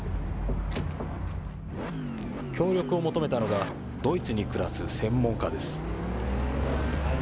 協力を求めたのがドイツに暮らす専門家です。